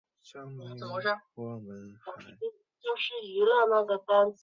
目前为德州游骑兵队球探。